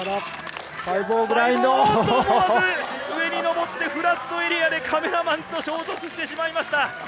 おっと、思わず上に登ってフラットエリアでカメラマンと衝突してしまいました。